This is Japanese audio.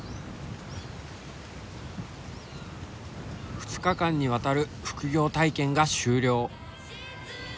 ２日間にわたる副業体験が終了。